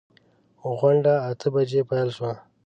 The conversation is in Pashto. غونډه اته بجې پیل شوه.